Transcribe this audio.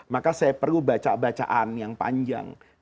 maka saya perlu baca bacaan yang panjang